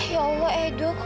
ya allah edo kau ngerti